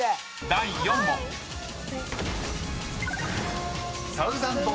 ［第４問］